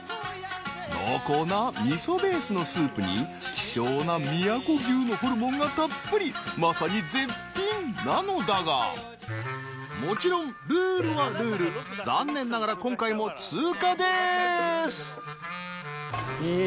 濃厚なみそベースのスープに希少な宮古牛のホルモンがたっぷりまさに絶品なのだがもちろんルールはルール残念ながら今回も通過ですいや